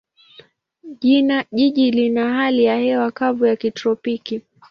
Jiji lina hali ya hewa kavu ya kitropiki.